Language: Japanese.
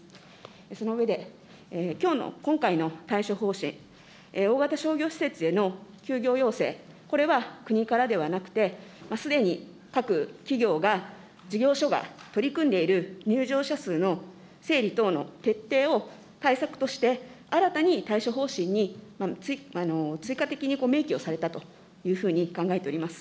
その上できょうの今回の対処方針、大型商業施設への休業要請、これは国からではなくて、すでに各企業が、事業所が取り組んでいる入場者数の整理等の徹底を、対策として新たに対処方針に追加的に名記をされたというふうに考えております。